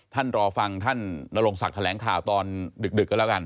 ท่านรอฟังท่านนรงศักดิ์แถลงข่าวตอนดึกกันแล้วกัน